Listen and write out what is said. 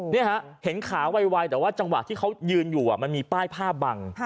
นี่ฮะเห็นขาไวแต่ว่าจังหวะที่เขายืนอยู่มันมีป้ายผ้าบัง